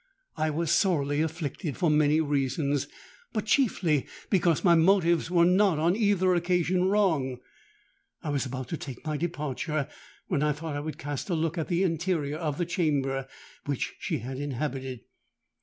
I was sorely afflicted, for many reasons—but chiefly because my motives were not on either occasion wrong. I was about to take my departure, when I thought I would cast a look at the interior of the chamber which she had inhabited.